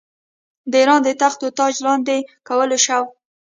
د اېران د تخت و تاج لاندي کولو شوق.